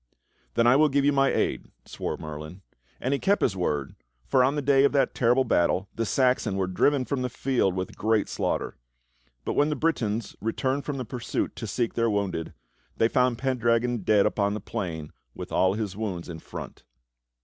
"Then I will give you my aid," swore Merlin; and he kept his word, for on the day of that terrible battle the Saxons were driven from the field with great slaughter; but when the Britons returned from the pursuit to seek their wounded, they found Pendragon dead upon the plain with all his wounds in front.